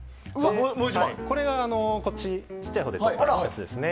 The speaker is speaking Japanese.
これは小さいほうで撮ったやつです。